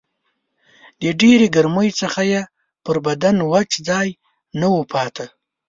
د ډېرې ګرمۍ څخه یې پر بدن وچ ځای نه و پاته